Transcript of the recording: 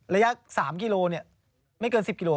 ระยะ๓กิโลไม่เกิน๑๐กิโล